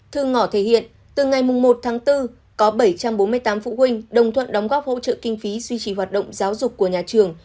thương ngỏ thể hiện từ ngày một tháng bốn có bảy trăm bốn mươi tám phụ huynh đồng thuận đóng góp hỗ trợ kinh phí duy trì hoạt động giáo dục của nhà trường